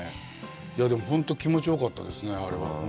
でも本当気持ちよかったですね、あれは。